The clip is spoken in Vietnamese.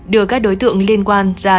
đưa các đối tượng liên quan ra